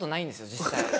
実際。